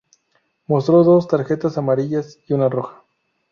Mostró dos tarjetas amarillas y una roja.